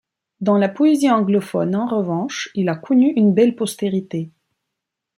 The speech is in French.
Dans la poésie anglophone, en revanche, il a connu une belle postérité.